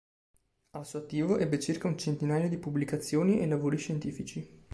Al suo attivo, ebbe circa un centinaio di pubblicazioni e lavori scientifici.